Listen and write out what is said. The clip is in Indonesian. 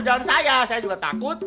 jalan saya saya juga takut